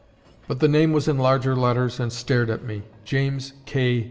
But the name was in larger letters and stared at me JAMES K.